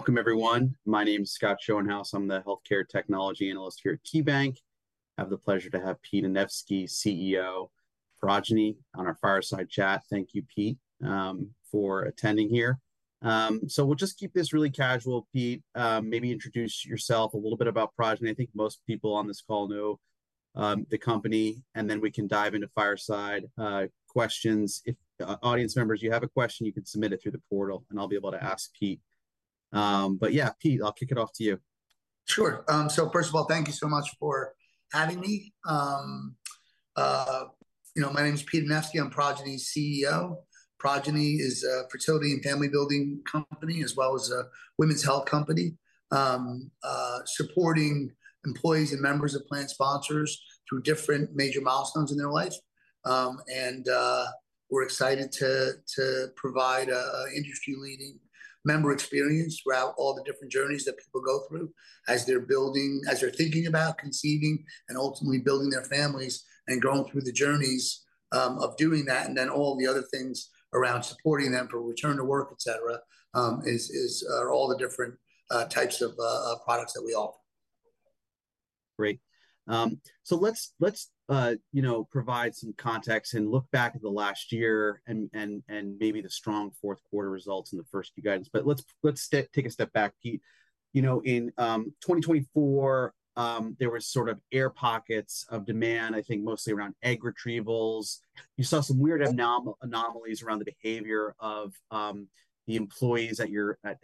Welcome, everyone. My name is Scott Schoenhaus. I'm the Healthcare Technology Analyst here at KeyBanc. I have the pleasure to have Pete Anevski, CEO, Progyny on our fireside chat. Thank you, Pete, for attending here. We'll just keep this really casual, Pete. Maybe introduce yourself a little bit about Progyny. I think most people on this call know the company, and then we can dive into fireside questions. If audience members, you have a question, you can submit it through the portal, and I'll be able to ask Pete. Yeah, Pete, I'll kick it off to you. Sure. First of all, thank you so much for having me. My name is Pete Anevski. I'm Progyny's CEO. Progyny is a fertility and family building company, as well as a women's health company, supporting employees and members of plan sponsors through different major milestones in their life. We're excited to provide an industry-leading member experience throughout all the different journeys that people go through as they're building, as they're thinking about conceiving, and ultimately building their families and growing through the journeys of doing that. All the other things around supporting them for return to work, et cetera, are all the different types of products that we offer. Great. Let's provide some context and look back at the last year and maybe the strong fourth quarter results in the first Q guidance. Let's take a step back, Pete. In 2024, there were sort of air pockets of demand, I think mostly around egg retrievals. You saw some weird anomalies around the behavior of the employees at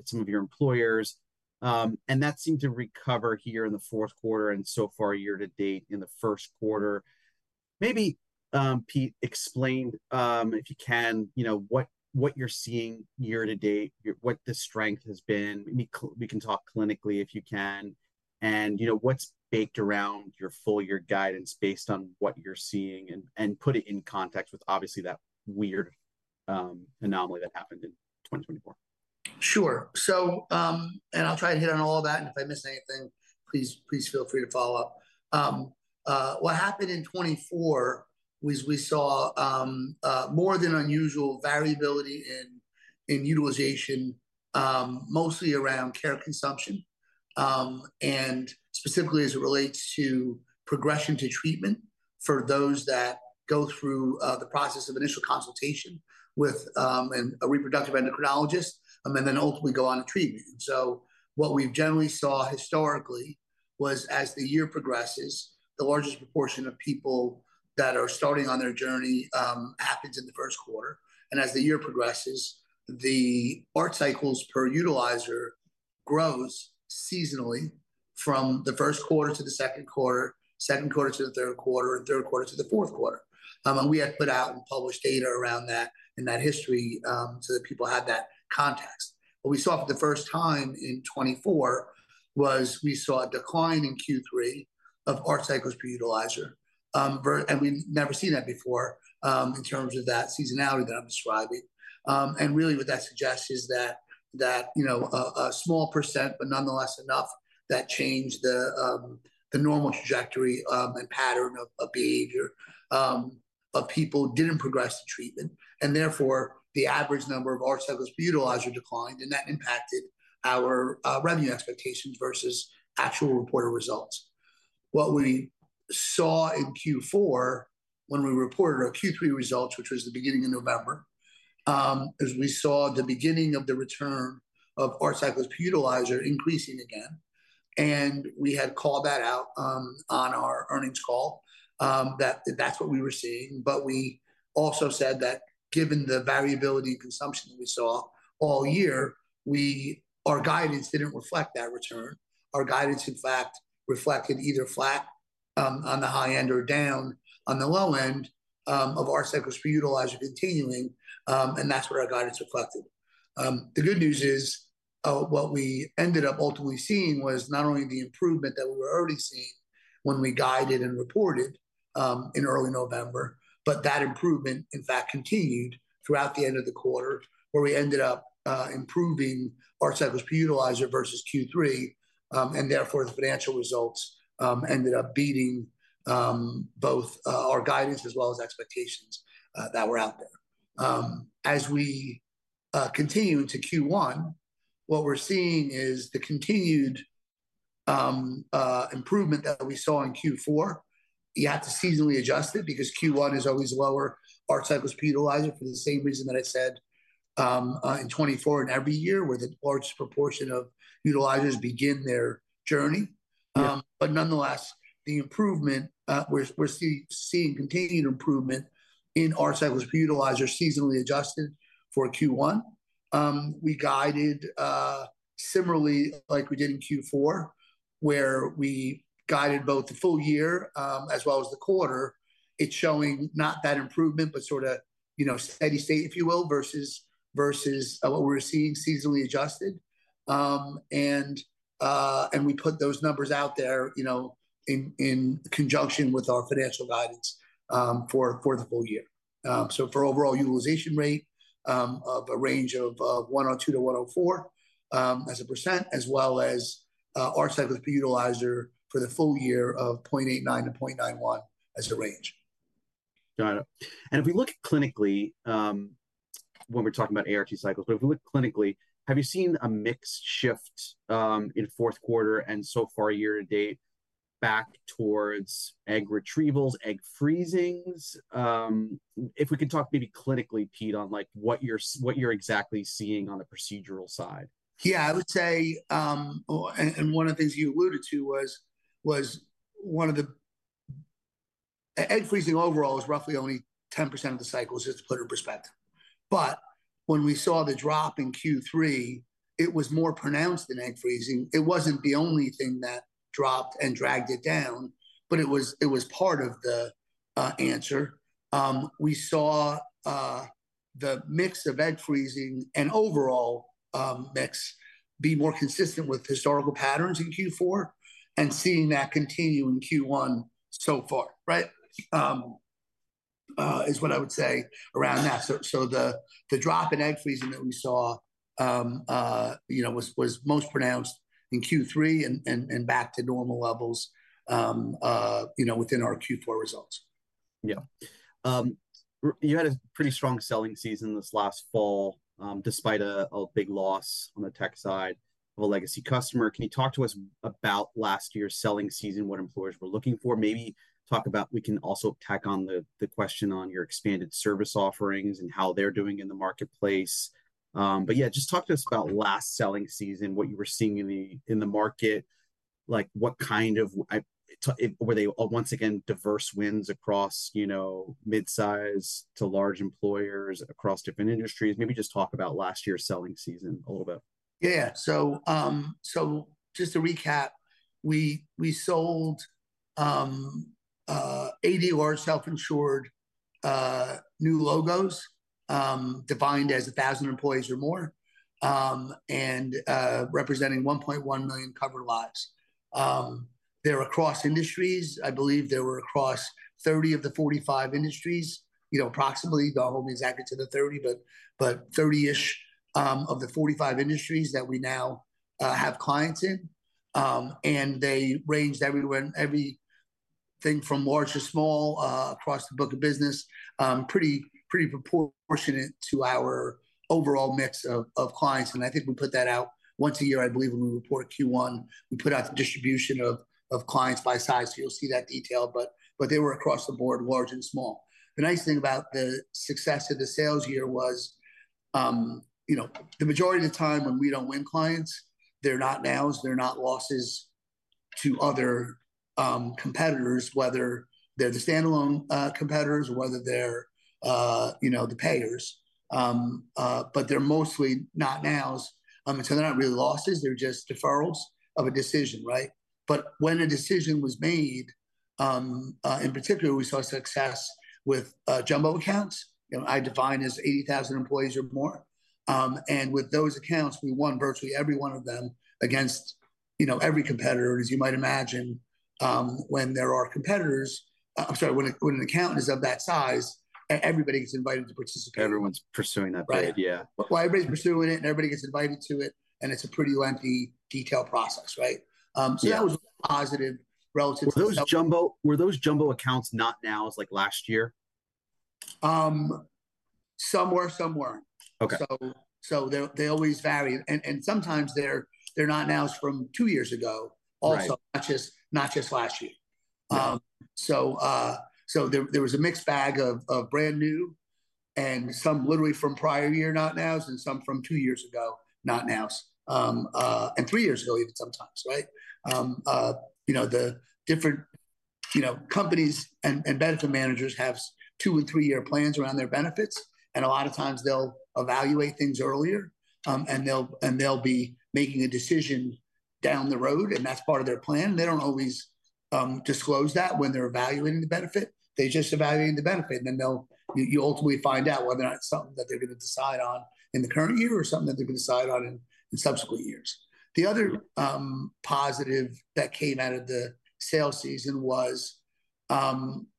some of your employers. That seemed to recover here in the fourth quarter and so far year to date in the first quarter. Maybe, Pete, explain, if you can, what you're seeing year to date, what the strength has been. We can talk clinically, if you can. What's baked around your full year guidance based on what you're seeing and put it in context with, obviously, that weird anomaly that happened in 2024. Sure. I'll try to hit on all of that. If I miss anything, please feel free to follow up. What happened in 2024 was we saw more than usual variability in utilization, mostly around care consumption, specifically as it relates to progression to treatment for those that go through the process of initial consultation with a reproductive endocrinologist and then ultimately go on to treatment. What we generally saw historically was, as the year progresses, the largest proportion of people that are starting on their journey happens in the first quarter. As the year progresses, the ART cycles per utilizer grow seasonally from the first quarter to the second quarter, second quarter to the third quarter, and third quarter to the fourth quarter. We had put out and published data around that in that history so that people had that context. What we saw for the first time in 2024 was we saw a decline in Q3 of ART cycles per utilizer. We have never seen that before in terms of that seasonality that I am describing. Really, what that suggests is that a small percent, but nonetheless enough, that changed the normal trajectory and pattern of behavior of people did not progress to treatment. Therefore, the average number of ART cycles per utilizer declined. That impacted our revenue expectations versus actual reported results. What we saw in Q4 when we reported our Q3 results, which was the beginning of November, is we saw the beginning of the return of ART cycles per utilizer increasing again. We had called that out on our earnings call that that is what we were seeing. We also said that given the variability in consumption that we saw all year, our guidance did not reflect that return. Our guidance, in fact, reflected either flat on the high end or down on the low end of ART cycles per utilizer continuing. That is what our guidance reflected. The good news is what we ended up ultimately seeing was not only the improvement that we were already seeing when we guided and reported in early November, but that improvement, in fact, continued throughout the end of the quarter, where we ended up improving ART cycles per utilizer versus Q3. Therefore, the financial results ended up beating both our guidance as well as expectations that were out there. As we continue into Q1, what we are seeing is the continued improvement that we saw in Q4. You have to seasonally adjust it because Q1 is always lower ART cycles per utilizer for the same reason that I said in 2024 in every year where the largest proportion of utilizers begin their journey. Nonetheless, the improvement we're seeing continued improvement in ART cycles per utilizer seasonally adjusted for Q1. We guided similarly like we did in Q4, where we guided both the full year as well as the quarter. It is showing not that improvement, but sort of steady state, if you will, versus what we're seeing seasonally adjusted. We put those numbers out there in conjunction with our financial guidance for the full year. For overall utilization rate of a range of 102%-104% as well as ART cycles per utilizer for the full year of 0.89-0.91 as a range. Got it. If we look clinically, when we're talking about ART cycles, if we look clinically, have you seen a mix shift in fourth quarter and so far year to date back towards egg retrievals, egg freezings? If we can talk maybe clinically, Pete, on what you're exactly seeing on the procedural side. Yeah, I would say, and one of the things you alluded to was one of the egg freezing overall is roughly only 10% of the cycles just to put it in perspective. When we saw the drop in Q3, it was more pronounced than egg freezing. It was not the only thing that dropped and dragged it down, but it was part of the answer. We saw the mix of egg freezing and overall mix be more consistent with historical patterns in Q4 and seeing that continue in Q1 so far, right, is what I would say around that. The drop in egg freezing that we saw was most pronounced in Q3 and back to normal levels within our Q4 results. Yeah. You had a pretty strong selling season this last fall despite a big loss on the tech side of a legacy customer. Can you talk to us about last year's selling season, what employers were looking for? Maybe talk about we can also tack on the question on your expanded service offerings and how they're doing in the marketplace. Yeah, just talk to us about last selling season, what you were seeing in the market, what kind of were they once again diverse wins across midsize to large employers across different industries? Maybe just talk about last year's selling season a little bit. Yeah. Just to recap, we sold 80 large self-insured new logos defined as 1,000 employees or more and representing 1.1 million covered lives. They're across industries. I believe they were across 30 of the 45 industries, approximately. Don't hold me exactly to the 30, but 30-ish of the 45 industries that we now have clients in. They ranged everything from large to small across the book of business, pretty proportionate to our overall mix of clients. I think we put that out once a year, I believe, when we report Q1, we put out the distribution of clients by size. You'll see that detail. They were across the board, large and small. The nice thing about the success of the sales year was the majority of the time when we do not win clients, they are not nows, they are not losses to other competitors, whether they are the standalone competitors or whether they are the payers. They are mostly not nows. They are not really losses. They are just deferrals of a decision, right? When a decision was made, in particular, we saw success with jumbo accounts, I define as 80,000 employees or more. With those accounts, we won virtually every one of them against every competitor, as you might imagine when there are competitors. I am sorry, when an account is of that size, everybody gets invited to participate. Everyone's pursuing that bid. Yeah. Right. Everybody's pursuing it, and everybody gets invited to it. It's a pretty lengthy, detailed process, right? That was positive relative to. Were those jumbo accounts not nows like last year? Some were, some were not. They always vary. Sometimes they are not nows from two years ago also, not just last year. There was a mixed bag of brand new and some literally from prior year not nows and some from two years ago not nows and three years ago even sometimes, right? The different companies and benefit managers have two- and three-year plans around their benefits. A lot of times they will evaluate things earlier, and they will be making a decision down the road, and that is part of their plan. They do not always disclose that when they are evaluating the benefit. They just evaluate the benefit. You ultimately find out whether or not it is something that they are going to decide on in the current year or something that they are going to decide on in subsequent years. The other positive that came out of the sales season was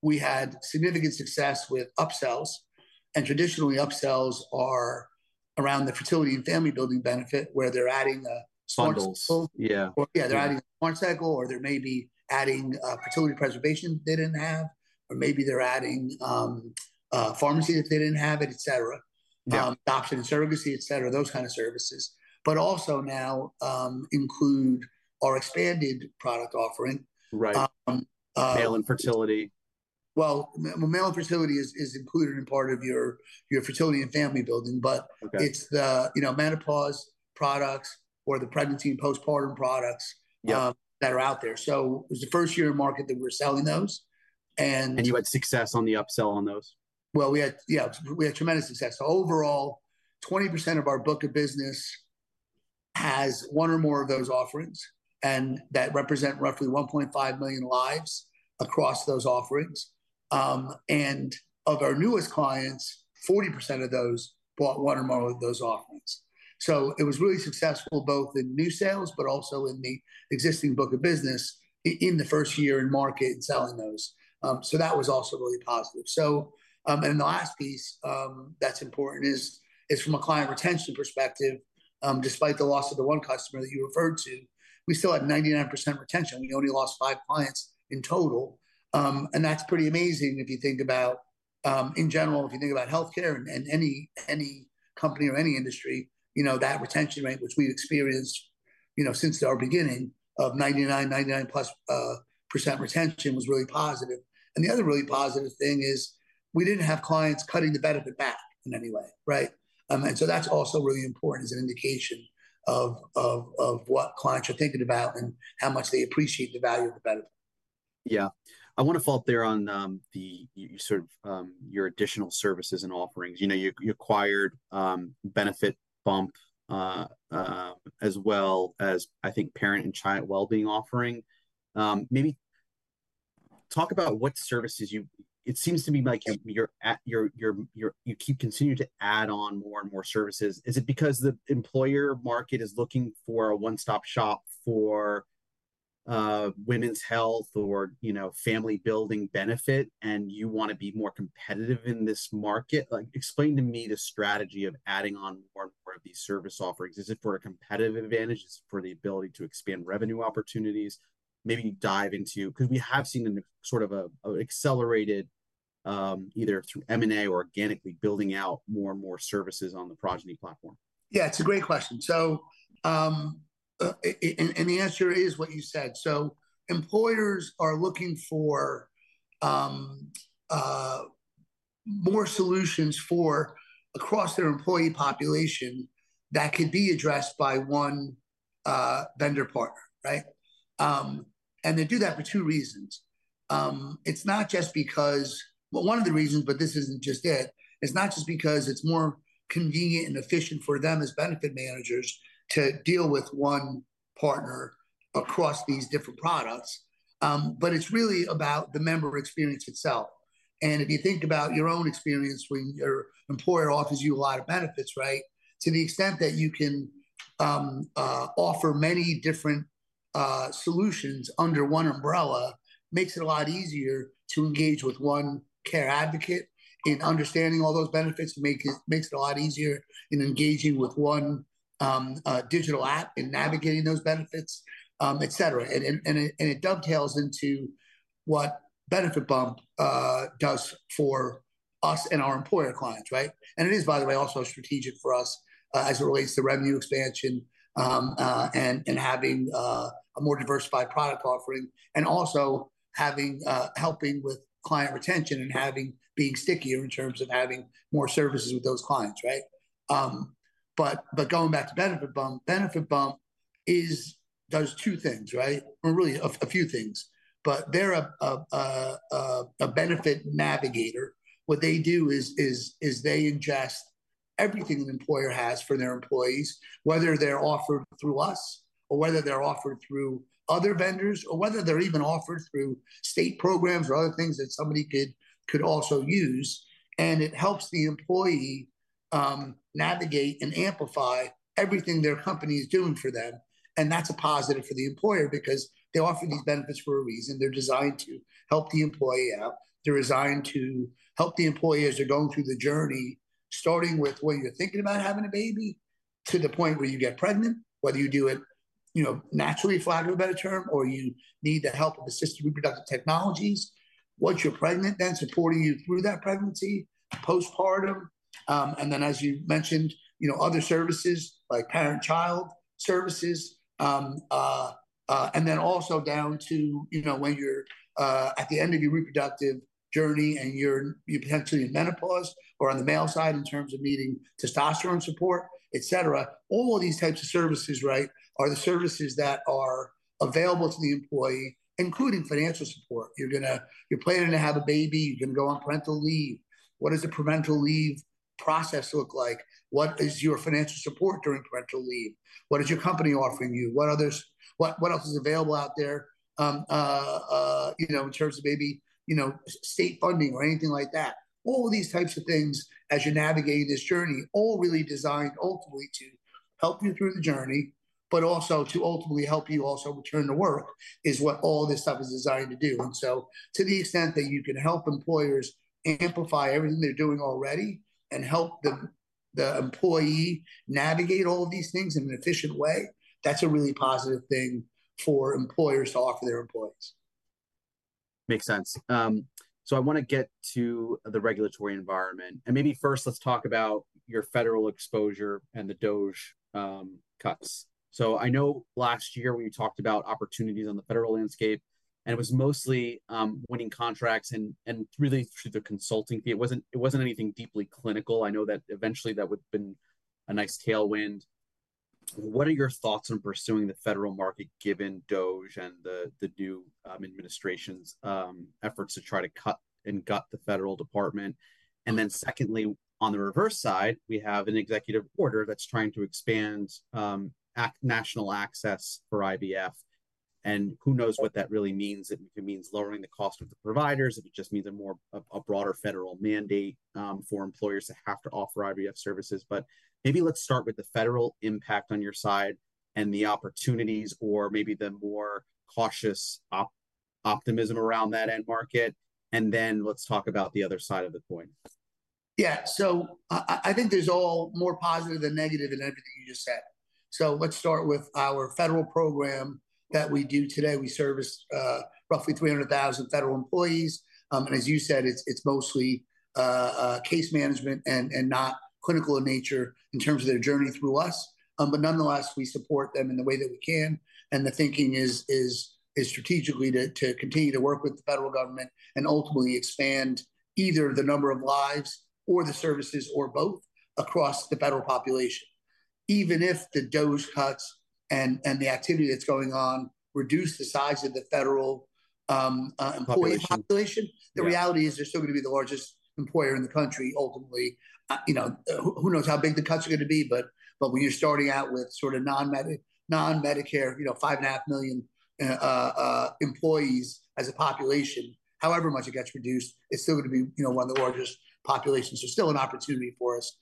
we had significant success with upsells. Traditionally, upsells are around the fertility and family building benefit where they're adding a Smart Cycle. Smart Cycles. Yeah. Yeah, they're adding a Smart Cycle, or they may be adding fertility preservation they didn't have, or maybe they're adding pharmacy if they didn't have it, et cetera, adoption and surrogacy, et cetera, those kinds of services. Also now include our expanded product offering. Right. Male infertility. Male infertility is included in part of your fertility and family building, but it's the menopause products or the pregnancy and postpartum products that are out there. It was the first year in market that we were selling those. You had success on the upsell on those? Yeah, we had tremendous success. Overall, 20% of our book of business has one or more of those offerings, and that represents roughly 1.5 million lives across those offerings. Of our newest clients, 40% of those bought one or more of those offerings. It was really successful both in new sales and in the existing book of business in the first year in market and selling those. That was also really positive. The last piece that's important is from a client retention perspective, despite the loss of the one customer that you referred to, we still had 99% retention. We only lost five clients in total. That's pretty amazing if you think about, in general, if you think about healthcare and any company or any industry, that retention rate, which we've experienced since our beginning of 99, 99 plus % retention was really positive. The other really positive thing is we didn't have clients cutting the benefit back in any way, right? That's also really important as an indication of what clients are thinking about and how much they appreciate the value of the benefit. Yeah. I want to follow up there on sort of your additional services and offerings. You acquired BenefitBump as well as, I think, parent and child wellbeing offering. Maybe talk about what services you—it seems to me like you keep continuing to add on more and more services. Is it because the employer market is looking for a one-stop shop for women's health or family building benefit, and you want to be more competitive in this market? Explain to me the strategy of adding on more and more of these service offerings. Is it for a competitive advantage? Is it for the ability to expand revenue opportunities? Maybe dive into because we have seen sort of an accelerated either through M&A or organically building out more and more services on the Progyny platform. Yeah, it's a great question. The answer is what you said. Employers are looking for more solutions across their employee population that could be addressed by one vendor partner, right? They do that for two reasons. It's not just because one of the reasons, but this isn't just it. It's not just because it's more convenient and efficient for them as benefit managers to deal with one partner across these different products, it's really about the member experience itself. If you think about your own experience when your employer offers you a lot of benefits, right, to the extent that you can offer many different solutions under one umbrella, it makes it a lot easier to engage with one care advocate in understanding all those benefits, it makes it a lot easier in engaging with one digital app in navigating those benefits, et cetera. It dovetails into what BenefitBump does for us and our employer clients, right? It is, by the way, also strategic for us as it relates to revenue expansion and having a more diversified product offering and also helping with client retention and being stickier in terms of having more services with those clients, right? Going back to BenefitBump, BenefitBump does two things, right? Or really a few things. They are a benefit navigator. What they do is they ingest everything an employer has for their employees, whether they're offered through us or whether they're offered through other vendors or whether they're even offered through state programs or other things that somebody could also use. It helps the employee navigate and amplify everything their company is doing for them. That is a positive for the employer because they offer these benefits for a reason. They're designed to help the employee out. They're designed to help the employee as they're going through the journey, starting with when you're thinking about having a baby to the point where you get pregnant, whether you do it naturally, for lack of a better term, or you need the help of assisted reproductive technologies. Once you're pregnant, then supporting you through that pregnancy, postpartum, and then, as you mentioned, other services like parent-child services, and then also down to when you're at the end of your reproductive journey and you're potentially in menopause or on the male side in terms of needing testosterone support, et cetera. All of these types of services, right, are the services that are available to the employee, including financial support. You're planning to have a baby. You're going to go on parental leave. What does the parental leave process look like? What is your financial support during parental leave? What is your company offering you? What else is available out there in terms of maybe state funding or anything like that? All of these types of things as you're navigating this journey, all really designed ultimately to help you through the journey, but also to ultimately help you also return to work is what all this stuff is designed to do. To the extent that you can help employers amplify everything they're doing already and help the employee navigate all of these things in an efficient way, that's a really positive thing for employers to offer their employees. Makes sense. I want to get to the regulatory environment. Maybe first, let's talk about your federal exposure and the DOGE cuts. I know last year we talked about opportunities on the federal landscape, and it was mostly winning contracts and really through the consulting fee. It wasn't anything deeply clinical. I know that eventually that would have been a nice tailwind. What are your thoughts on pursuing the federal market given DOGE and the new administration's efforts to try to cut and gut the federal department? Secondly, on the reverse side, we have an executive order that's trying to expand national access for IVF. Who knows what that really means. It could mean lowering the cost of the providers. It just means a broader federal mandate for employers to have to offer IVF services. Maybe let's start with the federal impact on your side and the opportunities or maybe the more cautious optimism around that end market. Then let's talk about the other side of the coin. Yeah. I think there's all more positive than negative in everything you just said. Let's start with our federal program that we do today. We service roughly 300,000 federal employees. As you said, it's mostly case management and not clinical in nature in terms of their journey through us. Nonetheless, we support them in the way that we can. The thinking is strategically to continue to work with the federal government and ultimately expand either the number of lives or the services or both across the federal population. Even if the DOGE cuts and the activity that's going on reduce the size of the federal employee population, the reality is they're still going to be the largest employer in the country ultimately. Who knows how big the cuts are going to be, but when you're starting out with sort of non-Medicare, 5.5 million employees as a population, however much it gets reduced, it's still going to be one of the largest populations. There's still an opportunity for us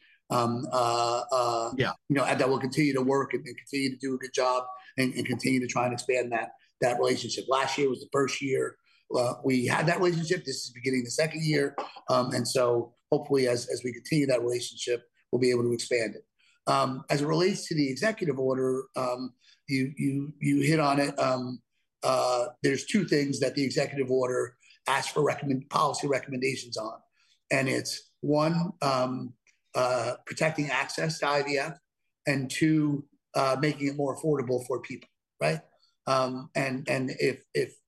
that will continue to work and continue to do a good job and continue to try and expand that relationship. Last year was the first year we had that relationship. This is beginning the second year. Hopefully, as we continue that relationship, we'll be able to expand it. As it relates to the executive order, you hit on it. There are two things that the executive order asks for policy recommendations on. It's, one, protecting access to IVF, and two, making it more affordable for people, right? If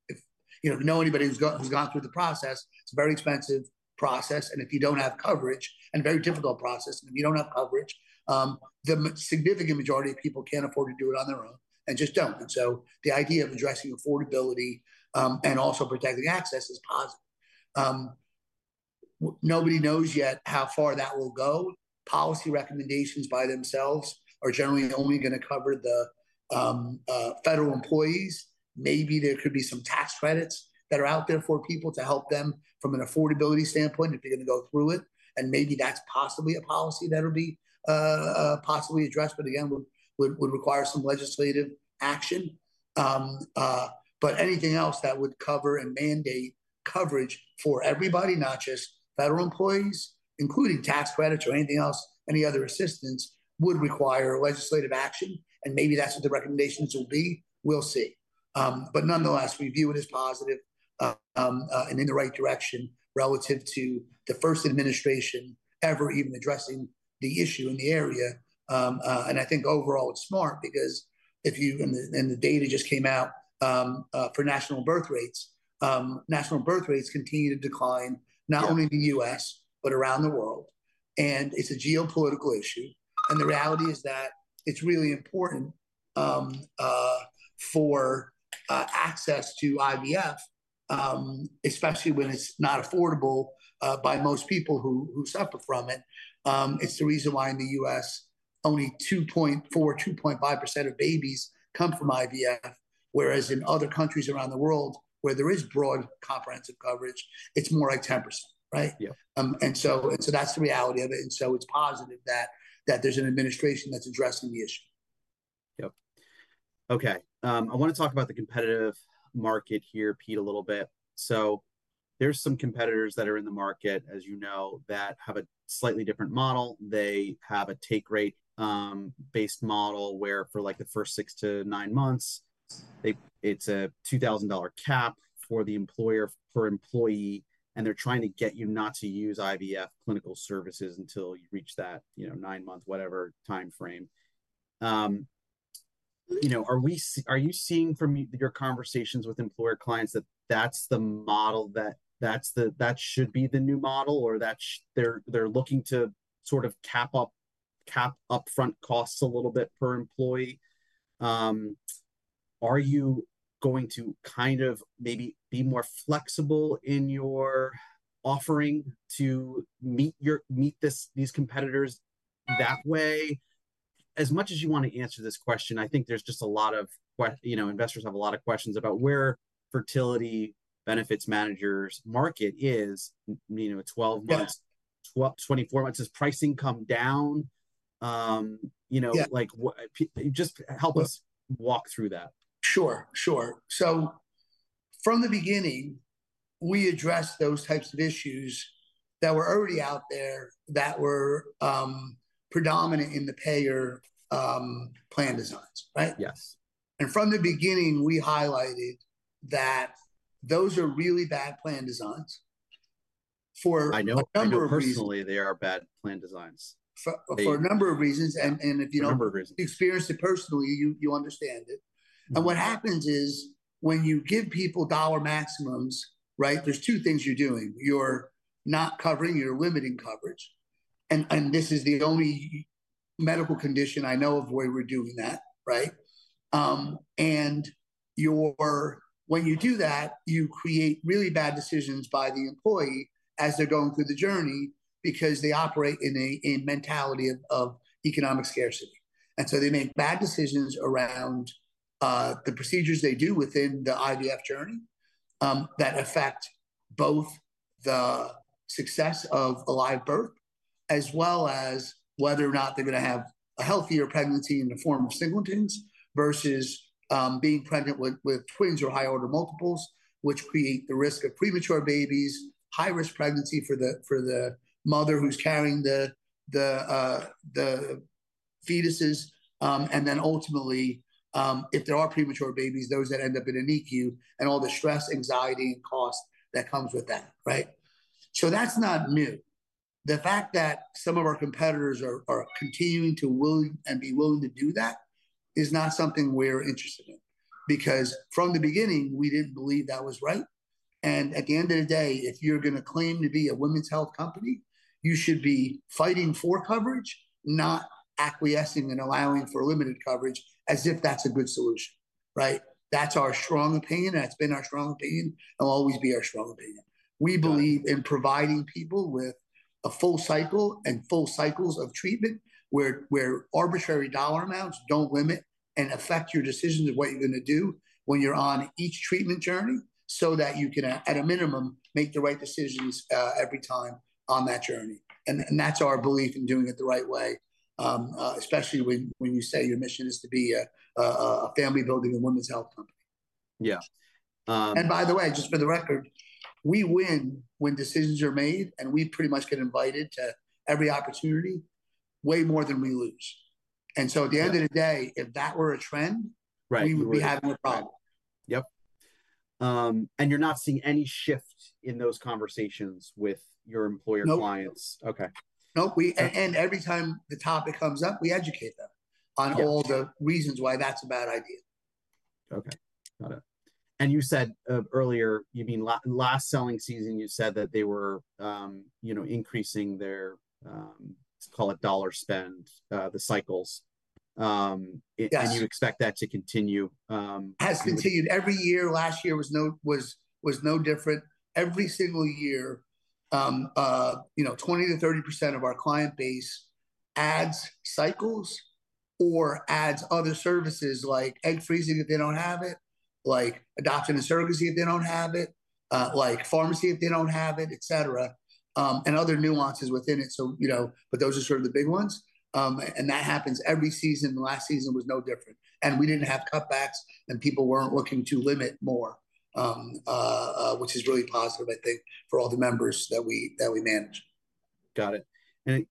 you know anybody who's gone through the process, it's a very expensive process. If you do not have coverage, it is a very difficult process, and if you do not have coverage, the significant majority of people cannot afford to do it on their own and just do not. The idea of addressing affordability and also protecting access is positive. Nobody knows yet how far that will go. Policy recommendations by themselves are generally only going to cover the federal employees. Maybe there could be some tax credits that are out there for people to help them from an affordability standpoint if they are going to go through it. Maybe that is possibly a policy that will be possibly addressed, but again, would require some legislative action. Anything else that would cover and mandate coverage for everybody, not just federal employees, including tax credits or anything else, any other assistance would require legislative action. Maybe that is what the recommendations will be. We will see. Nonetheless, we view it as positive and in the right direction relative to the first administration ever even addressing the issue in the area. I think overall, it's smart because if you and the data just came out for national birth rates, national birth rates continue to decline not only in the U.S., but around the world. It's a geopolitical issue. The reality is that it's really important for access to IVF, especially when it's not affordable by most people who suffer from it. It's the reason why in the U.S., only 2.4-2.5% of babies come from IVF, whereas in other countries around the world where there is broad comprehensive coverage, it's more like 10%, right? That's the reality of it. It's positive that there's an administration that's addressing the issue. Yep. Okay. I want to talk about the competitive market here, Pete, a little bit. There are some competitors that are in the market, as you know, that have a slightly different model. They have a take-rate-based model where for the first six to nine months, it's a $2,000 cap for the employer for employee, and they're trying to get you not to use IVF clinical services until you reach that nine-month, whatever timeframe. Are you seeing from your conversations with employer clients that that's the model that should be the new model or that they're looking to sort of cap upfront costs a little bit per employee? Are you going to kind of maybe be more flexible in your offering to meet these competitors that way? As much as you want to answer this question, I think there's just a lot of investors have a lot of questions about where fertility benefits managers' market is 12 months, 24 months. Has pricing come down? Just help us walk through that. Sure. Sure. From the beginning, we addressed those types of issues that were already out there that were predominant in the payer plan designs, right? Yes. From the beginning, we highlighted that those are really bad plan designs for a number of reasons. I know personally they are bad plan designs. For a number of reasons. If you experience it personally, you understand it. What happens is when you give people dollar maximums, right, there are two things you're doing. You're not covering. You're limiting coverage. This is the only medical condition I know of where we're doing that, right? When you do that, you create really bad decisions by the employee as they're going through the journey because they operate in a mentality of economic scarcity. They make bad decisions around the procedures they do within the IVF journey that affect both the success of a live birth as well as whether or not they're going to have a healthier pregnancy in the form of singletons versus being pregnant with twins or high-order multiples, which create the risk of premature babies, high-risk pregnancy for the mother who's carrying the fetuses. Ultimately, if there are premature babies, those that end up in a NICU and all the stress, anxiety, and cost that comes with that, right? That is not new. The fact that some of our competitors are continuing to be willing to do that is not something we are interested in because from the beginning, we did not believe that was right. At the end of the day, if you are going to claim to be a women's health company, you should be fighting for coverage, not acquiescing and allowing for limited coverage as if that is a good solution, right? That is our strong opinion. That has been our strong opinion and will always be our strong opinion. We believe in providing people with a full cycle and full cycles of treatment where arbitrary dollar amounts do not limit and affect your decisions of what you are going to do when you are on each treatment journey so that you can, at a minimum, make the right decisions every time on that journey. That is our belief in doing it the right way, especially when you say your mission is to be a family-building and women's health company. Yeah. By the way, just for the record, we win when decisions are made, and we pretty much get invited to every opportunity way more than we lose. At the end of the day, if that were a trend, we would be having a problem. Yep. You're not seeing any shift in those conversations with your employer clients? No. Okay. Nope. Every time the topic comes up, we educate them on all the reasons why that's a bad idea. Okay. Got it. You said earlier, you mean last selling season, you said that they were increasing their, call it dollar spend, the cycles. You expect that to continue. Has continued. Every year. Last year was no different. Every single year, 20-30% of our client base adds cycles or adds other services like egg freezing if they don't have it, like adoption and surrogacy if they don't have it, like pharmacy if they don't have it, et cetera, and other nuances within it. Those are sort of the big ones. That happens every season. The last season was no different. We didn't have cutbacks, and people weren't looking to limit more, which is really positive, I think, for all the members that we manage. Got it.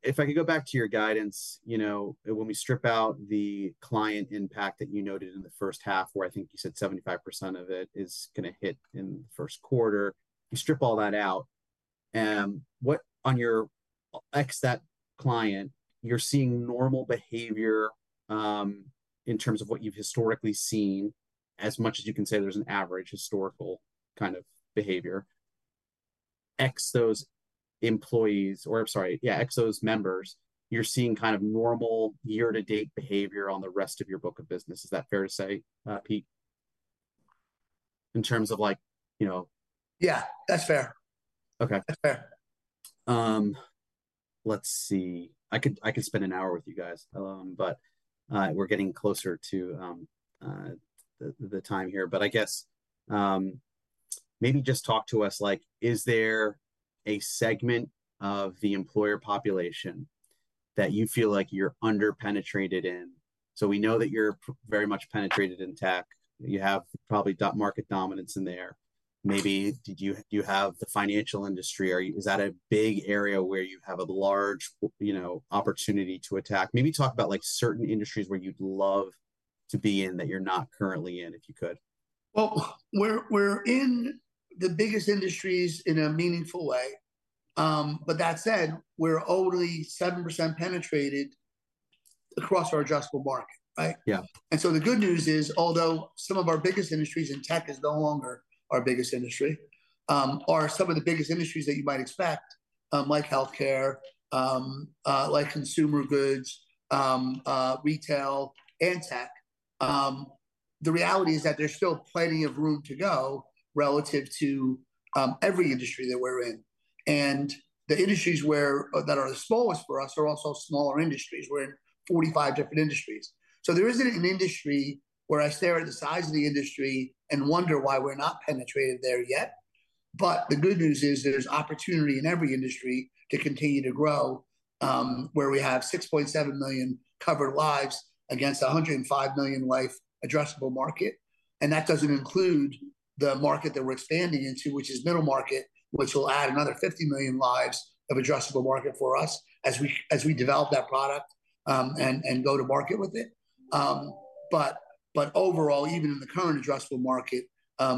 If I could go back to your guidance, when we strip out the client impact that you noted in the first half, where I think you said 75% of it is going to hit in the first quarter, you strip all that out. On your ex-that client, you're seeing normal behavior in terms of what you've historically seen, as much as you can say there's an average historical kind of behavior. Ex those employees or, sorry, yeah, ex those members, you're seeing kind of normal year-to-date behavior on the rest of your book of business. Is that fair to say, Pete, in terms of? Yeah. That's fair. Okay. That's fair. Let's see. I could spend an hour with you guys, but we're getting closer to the time here. I guess maybe just talk to us, is there a segment of the employer population that you feel like you're under-penetrated in? We know that you're very much penetrated in tech. You have probably market dominance in there. Maybe do you have the financial industry? Is that a big area where you have a large opportunity to attack? Maybe talk about certain industries where you'd love to be in that you're not currently in, if you could. We're in the biggest industries in a meaningful way. That said, we're only 7% penetrated across our addressable market, right? Yeah. The good news is, although some of our biggest industries in tech is no longer our biggest industry, are some of the biggest industries that you might expect, like healthcare, like consumer goods, retail, and tech. The reality is that there's still plenty of room to go relative to every industry that we're in. The industries that are the smallest for us are also smaller industries. We're in 45 different industries. There isn't an industry where I stare at the size of the industry and wonder why we're not penetrated there yet. The good news is there's opportunity in every industry to continue to grow where we have 6.7 million covered lives against a 105 million life addressable market. That does not include the market that we are expanding into, which is middle market, which will add another 50 million lives of addressable market for us as we develop that product and go to market with it. Overall, even in the current addressable market,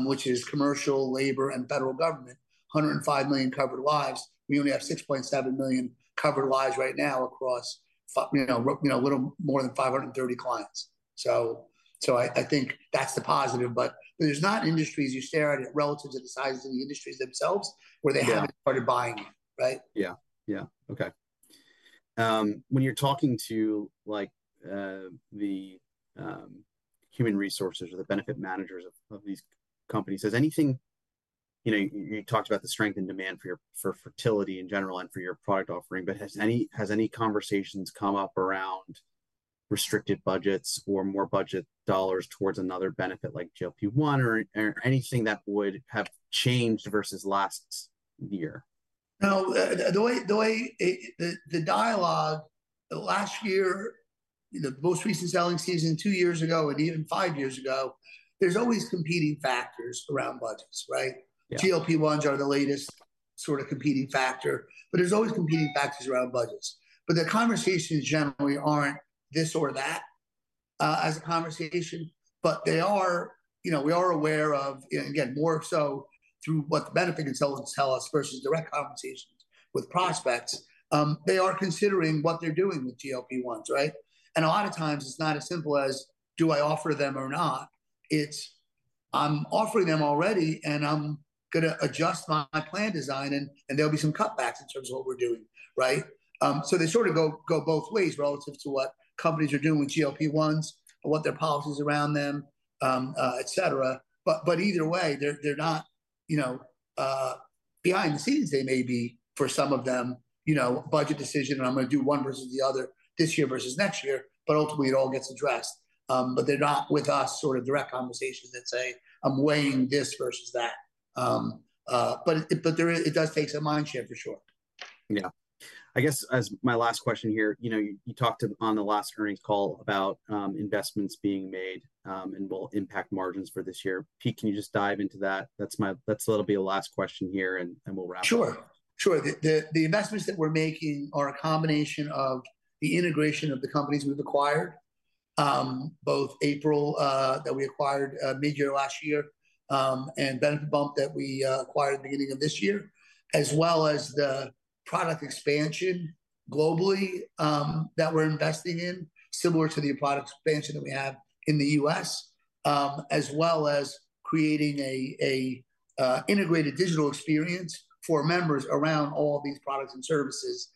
which is commercial, labor, and federal government, 105 million covered lives, we only have 6.7 million covered lives right now across a little more than 530 clients. I think that is the positive. There are not industries you stare at relative to the size of the industries themselves where they have not started buying it, right? Yeah. Yeah. Okay. When you're talking to the human resources or the benefit managers of these companies, you talked about the strength and demand for fertility in general and for your product offering, but has any conversations come up around restricted budgets or more budget dollars towards another benefit like GLP-1 or anything that would have changed versus last year? No. The dialogue, last year, the most recent selling season two years ago and even five years ago, there's always competing factors around budgets, right? Yeah. GLP-1s are the latest sort of competing factor, but there's always competing factors around budgets. The conversations generally aren't this or that as a conversation, but we are aware of, again, more so through what the benefit consultants tell us versus direct conversations with prospects, they are considering what they're doing with GLP-1s, right? A lot of times, it's not as simple as, "Do I offer them or not?" It's, "I'm offering them already, and I'm going to adjust my plan design, and there'll be some cutbacks in terms of what we're doing," right? They sort of go both ways relative to what companies are doing with GLP-1s and what their policies are around them, et cetera. Either way, they're not behind the scenes. They may be for some of them, budget decision, and I'm going to do one versus the other this year versus next year, but ultimately, it all gets addressed. They're not with us sort of direct conversations that say, "I'm weighing this versus that." It does take some mind share for sure. Yeah. I guess as my last question here, you talked on the last earnings call about investments being made and will impact margins for this year. Pete, can you just dive into that? That's a little bit of the last question here, and we'll wrap up. Sure. Sure. The investments that we're making are a combination of the integration of the companies we've acquired, both Apryl that we acquired mid-year last year and BenefitBump that we acquired at the beginning of this year, as well as the product expansion globally that we're investing in, similar to the product expansion that we have in the US, as well as creating an integrated digital experience for members around all these products and services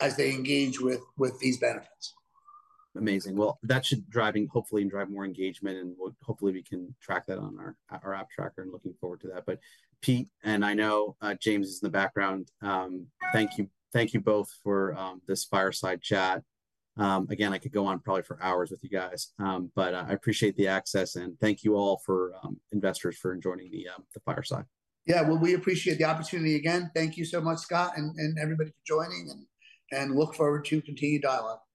as they engage with these benefits. Amazing. That should hopefully drive more engagement, and hopefully, we can track that on our app tracker and looking forward to that. Pete, and I know James is in the background. Thank you both for this Fireside Chat. Again, I could go on probably for hours with you guys, but I appreciate the access, and thank you all for investors for joining the Fireside. Yeah. We appreciate the opportunity again. Thank you so much, Scott, and everybody for joining, and look forward to continued dialogue. Bye-bye.